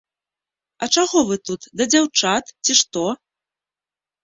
А чаго вы тут, да дзяўчат, ці што?